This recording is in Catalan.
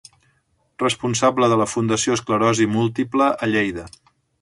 Responsable de la Fundació Esclerosi Múltiple a Lleida.